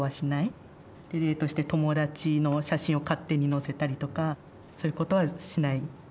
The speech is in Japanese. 例として友達の写真を勝手にのせたりとかそういうことはしない。